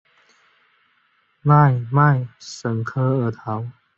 奈迈什科尔陶。